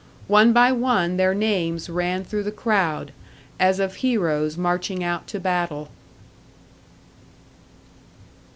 One by one their names ran through the crowd, as of heroes marching out to battle.